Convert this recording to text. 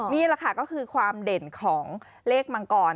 นี่แหละค่ะก็คือความเด่นของเลขมังกร